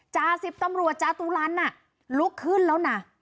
จาสิบตำรวจจาตุลันลุกขึ้นแล้วนะ